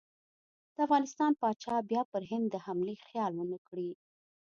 د افغانستان پاچا بیا پر هند د حملې خیال ونه کړي.